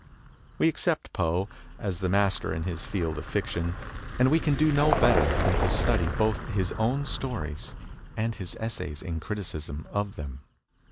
We accept Poe as the master in this field of fiction, and we can do no better than to study both his own stories and his essays in criticism of them.